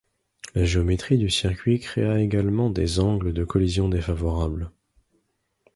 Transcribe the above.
La géométrie du circuit créa également des angles de collision défavorables.